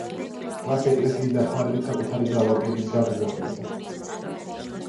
მას ეკლესიის დახმარებით საკუთარი ძალაუფლების გაზრდა სურდა.